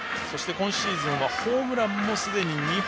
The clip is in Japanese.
今シーズンはホームランもすでに２本。